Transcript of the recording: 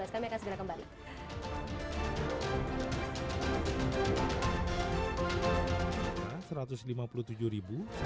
kami akan segera kembali